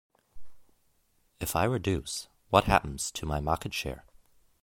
If I reduce, what happens to my market share?